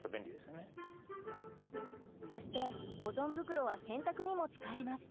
そして保存袋は洗濯にも使えます。